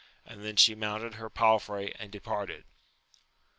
And then she mounted her palfrey, and departed.